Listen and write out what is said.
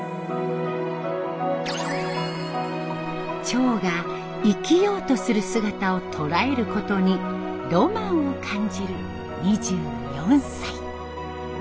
チョウが生きようとする姿を捉えることにロマンを感じる２４歳。